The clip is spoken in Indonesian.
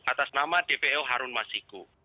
atas nama dpo harun masiku